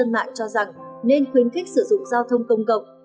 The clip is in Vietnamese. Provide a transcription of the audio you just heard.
những cư dân mạng cho rằng nên khuyến khích sử dụng giao thông công cộng